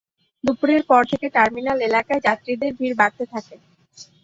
দুপুরের পর থেকে টার্মিনাল এলাকায় যাত্রীদের ভিড় বাড়তে থাকে।